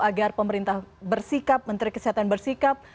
agar pemerintah bersikap menteri kesehatan bersikap